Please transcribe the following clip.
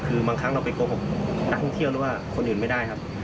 คือบางครั้งเราไปโกหกนักท่องเที่ยวหรือว่าคนอื่นไม่ได้ครับ